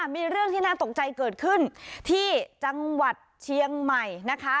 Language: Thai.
มีเรื่องที่น่าตกใจเกิดขึ้นที่จังหวัดเชียงใหม่นะคะ